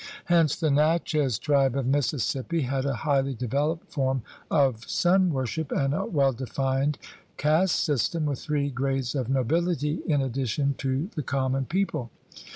Hence the Natchez tribe of Mississippi had a highly developed form of sun worship and a well defined caste system with three grades of nobility in addition to the common people.